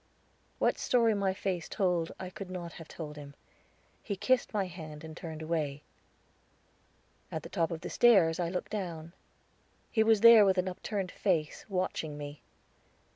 What story my face told, I could not have told him. He kissed my hand and turned away. At the top of the stairs I looked down. He was there with upturned face, watching me.